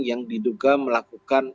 yang diduga melakukan